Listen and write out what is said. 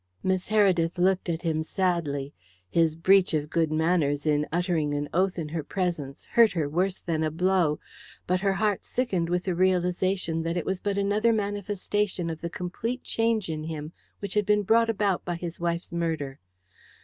Miss Heredith looked at him sadly. His breach of good manners in uttering an oath in her presence hurt her worse than a blow, but her heart sickened with the realization that it was but another manifestation of the complete change in him which had been brought about by his wife's murder.